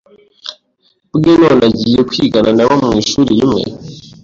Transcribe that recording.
bwe none agiye kwigana na bo mu ishuri rimwe